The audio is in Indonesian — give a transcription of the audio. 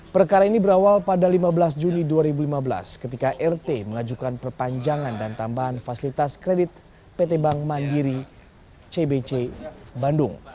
perkara ini berawal pada lima belas juni dua ribu lima belas ketika rt mengajukan perpanjangan dan tambahan fasilitas kredit pt bank mandiri cbc bandung